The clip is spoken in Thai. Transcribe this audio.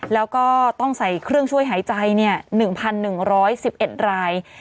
แล้วก็ต้องใส่เครื่องช่วยหายใจ๑๑๑๑๑ราย